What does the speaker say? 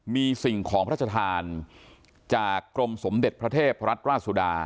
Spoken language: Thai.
มีสิ่งของพระชธานจากกรมสมเด็จพระเทพรัตนราชสุดา